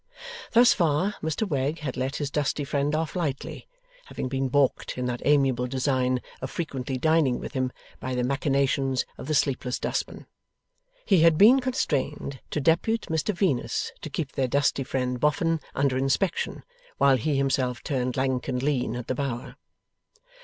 Thus far, Mr Wegg had let his dusty friend off lightly, having been baulked in that amiable design of frequently dining with him, by the machinations of the sleepless dustman. He had been constrained to depute Mr Venus to keep their dusty friend, Boffin, under inspection, while he himself turned lank and lean at the Bower.